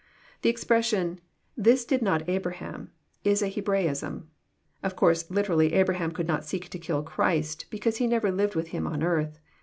The expression " this did • not Abraham " is a Hebraism. Of course literally Abraham could not "seek to kill" Christ, because he never lived with Him on earth.